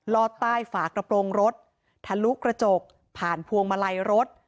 อดใต้ฝากระโปรงรถทะลุกระจกผ่านพวงมาลัยรถ